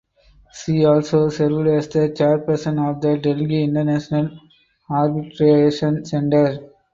She also served as the Chairperson of the Delhi International Arbitration Center.